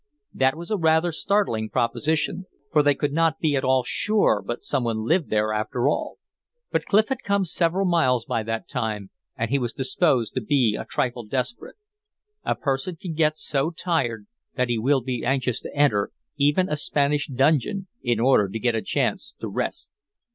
That was a rather startling proposition; for they could not be at all sure but some one lived there after all. But Clif had come several miles by that time, and he was disposed to be a trifle desperate. A person can get so tired that he will be anxious to enter even a Spanish dungeon in order to get a chance to rest.